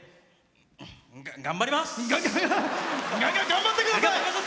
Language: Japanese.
がん頑張ります！